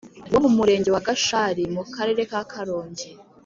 wo mu murenge wa gashari mu karere ka karongi